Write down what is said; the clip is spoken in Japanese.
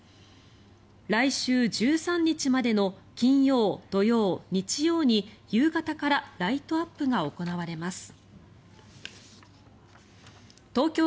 来週１３日までの金曜、土曜、日曜に夕方からライトアップが行われます。